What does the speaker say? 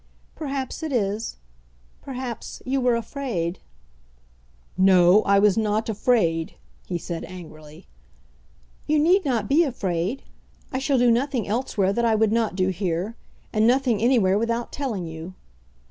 "Perhaps it is. Perhaps you were afraid." "No; I was not afraid," he said angrily. "You need not be afraid. I shall do nothing elsewhere that I would not do here, and nothing anywhere without telling you."